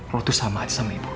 lo tuh sama aja sama ibu